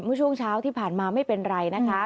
ช่วงเช้าที่ผ่านมาไม่เป็นไรนะคะ